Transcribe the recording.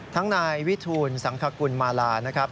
ทั้งนายวิทูลสังคกุลมาลานะครับ